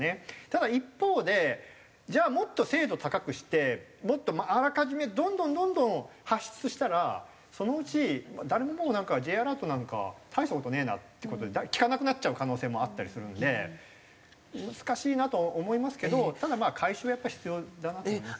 ただ一方でじゃあもっと精度高くしてもっとあらかじめどんどんどんどん発出したらそのうち誰ももうなんかＪアラートなんか大した事ねえなっていう事で聞かなくなっちゃう可能性もあったりするんで難しいなと思いますけどただ改修はやっぱ必要だなと思いますね。